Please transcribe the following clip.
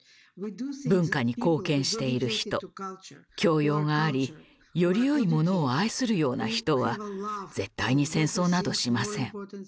文化に貢献している人教養がありよりよいものを愛するような人は絶対に戦争などしません。